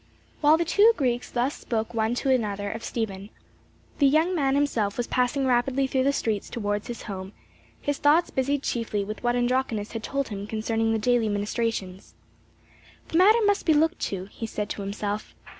'" While the two Greeks thus spoke one to another of Stephen, the young man himself was passing rapidly through the streets towards his home, his thoughts busied chiefly with what Andronicus had told him concerning the daily ministrations. "The matter must be looked to," he said to himself.